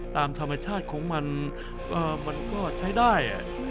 ตามธรรมชาติของมันมันก็ใช้ได้